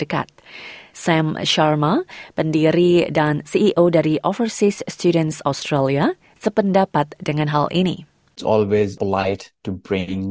untuk menunjukkan kepada orang orang bersama untuk membuat siapa saja yang anda jemput merasa sangat nyaman